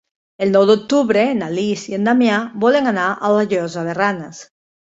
El nou d'octubre na Lis i en Damià volen anar a la Llosa de Ranes.